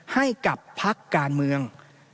ให้กับพักการเมือง